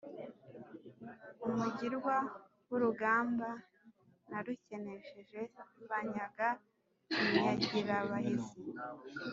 Umugirwa w’urugamba narukenesheje banyaga Inyagirabahizi.